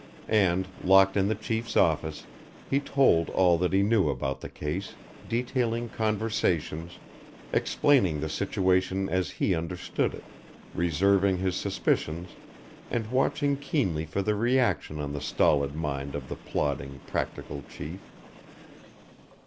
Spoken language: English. And, locked in the Chief's office, he told all that he knew about the case, detailing conversations, explaining the situation as he understood it, reserving his suspicions and watching keenly for the reaction on the stolid mind of the plodding, practical Chief.